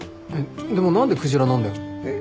でも何で鯨なんだよ。えっ？